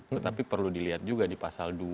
tetapi perlu dilihat juga di pasal dua